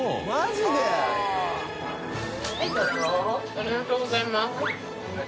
ありがとうございます。